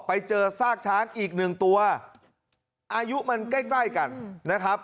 ไปเจอซากช้างอีกหนึ่งตัวอายุมันใกล้ใกล้กันนะครับ